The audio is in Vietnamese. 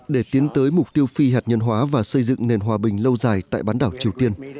để tiến tới mục tiêu phi hạt nhân hóa và xây dựng nền hòa bình lâu dài tại bán đảo triều tiên